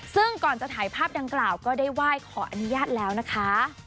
ซึ่งก่อนจะถ่ายภาพดังกล่าวก็ได้ไหว้ขออนุญาตแล้วนะคะ